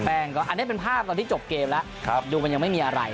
อันนี้เป็นภาพตอนที่จบเกมแล้วดูมันยังไม่มีอะไร